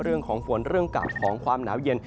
เรื่องของฝนเรื่องเก่าของความหนาวเย็น